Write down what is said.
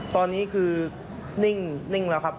ตอนนี้คือนิ่งแล้วครับ